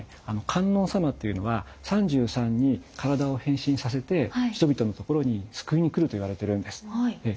観音様というのは３３に体を変身させて人々のところに救いに来るといわれてるんです。